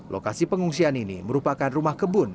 lokasi pengungsian ini merupakan rumah kebun